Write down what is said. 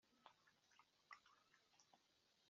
Kwemezwa n inama y ubuyobozi hakurikijwe